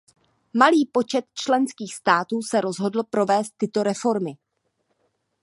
Malý počet členských států se rozhodl provést tyto reformy.